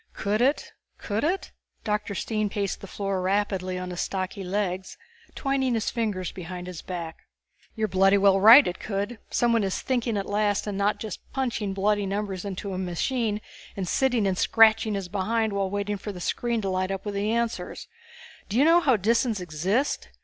"Could it? Could it?" Dr. Stine paced the floor rapidly on his stocky legs, twining his fingers behind his back. "You are bloody well right it could. Someone is thinking at last and not just punching bloody numbers into a machine and sitting and scratching his behind while waiting for the screen to light up with the answers. Do you know how Disans exist?"